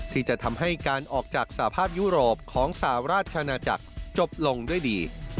ที่จะทำให้การออกจากสภาพยุโรปของสหราชนาจักรจบลงด้วยดี